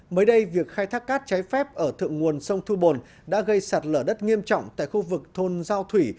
mới đây việc khai thác cát trái phép ở thượng nguồn sông thu bồn đã gây sạt lở đất nghiêm trọng tại khu vực thôn giao thủy